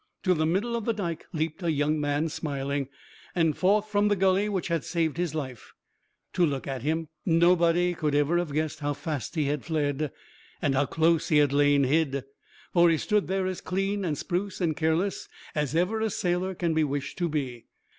To the middle of the Dike leaped a young man, smiling, and forth from the gully which had saved his life. To look at him, nobody ever could have guessed how fast he had fled, and how close he had lain hid. For he stood there as clean and spruce and careless as ever a sailor can be wished to be.